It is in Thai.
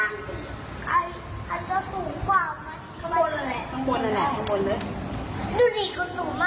ในจุดที่มันจะเกิลาไปของมันและทั่วไปแฟนแก่มันต้องถูกไหวในฉุมมัน